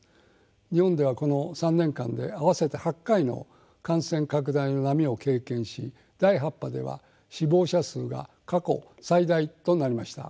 日本ではこの３年間で合わせて８回の感染拡大の波を経験し第８波では死亡者数が過去最大となりました。